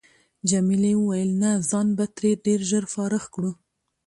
جميلې وويل: نه ځان به ترې ډېر ژر فارغ کړو.